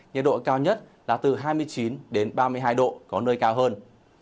nhiệt độ cao nhất là từ hai mươi chín đến ba mươi hai độ có nơi cao hơn